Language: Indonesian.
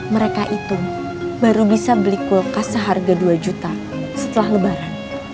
mereka itu baru bisa beli kulkas seharga dua juta setelah lebaran